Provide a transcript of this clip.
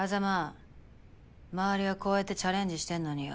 硲周りはこうやってチャレンジしてんのによ